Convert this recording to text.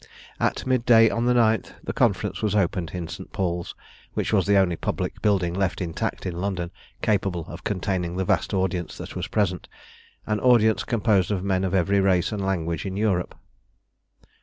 At mid day on the 9th the Conference was opened in St. Paul's, which was the only public building left intact in London capable of containing the vast audience that was present, an audience composed of men of every race and language in Europe.